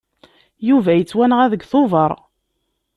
Yuba yettwanɣa deg Tubeṛ.